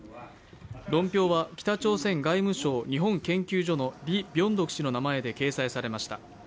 論評は北朝鮮外務省日本研究所のリ・ビョンドク氏の名前で掲載されました。